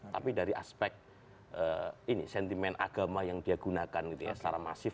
tapi dari aspek sentimen agama yang dia gunakan secara masif